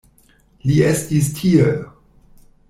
Li estis tie!